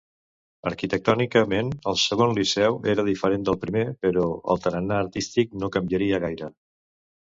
Arquitectònicament el segon Liceu era diferent del primer, però el tarannà artístic no canviaria gaire.